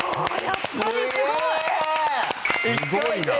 すごいな。